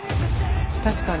確かに。